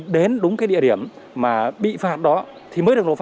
trong khi đó